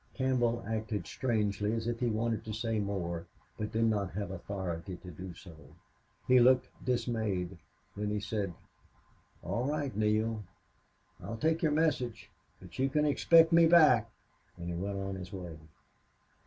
Campbell acted strangely, as if he wanted to say more, but did not have authority to do so. He looked dismayed. Then he said: "All right, Neale. I'll take your message. But you can expect me back." And he went on his way.